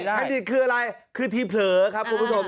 อดีตคืออะไรคือทีเผลอครับคุณผู้ชม